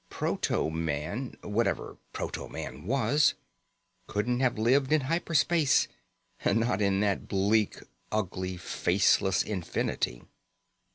Proto man, whatever proto man was, couldn't have lived in hyper space. Not in that bleak, ugly, faceless infinity....